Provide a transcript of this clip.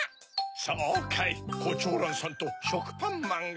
そうかいコチョウランさんとしょくぱんまんが。